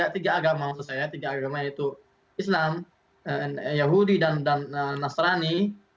tiga agama maksud saya tiga agama yaitu islam yahudi dan nasrani